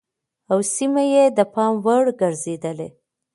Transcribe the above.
او سيمه يې د پام وړ ګرځېدلې